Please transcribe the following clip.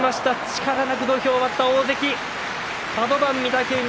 力なく土俵を割った、御嶽海。